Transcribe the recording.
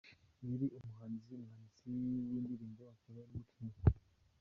Yari umuhanzi, umwanditsi w’indirimbo akaba n’umukinnyi wa filime.